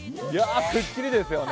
くっきりですよね。